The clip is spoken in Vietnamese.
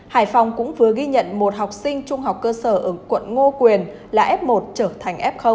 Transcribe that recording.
hải phòng cũng vừa ghi nhận một học sinh trung học cơ sở ở quận ngô quyền là f một trở thành f